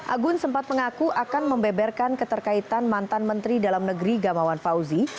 agun sempat mengaku akan membeberkan keterkaitan mantan menteri dalam negeri gamawan fauzi